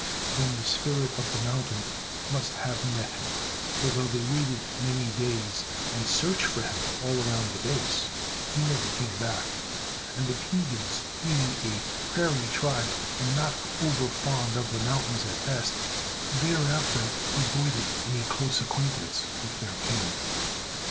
Then the spirit of the mountain must have met him; for, though they waited many days, and searched for him all around the base, he never came back. And the Piegans, being a prairie tribe and not over fond of the mountains at best, thereafter avoided any close acquaintance with their king.